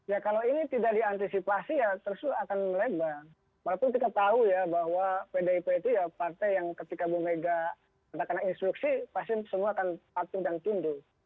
ya kalau ini tidak diantisipasi ya terus akan melebar walaupun kita tahu ya bahwa pdip itu ya partai yang ketika bu mega katakanlah instruksi pasti semua akan patuh dan tunduk